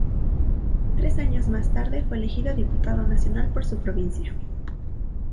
Tres años más tarde fue elegido diputado nacional por su provincia.